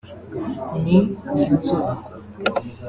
ni inzobe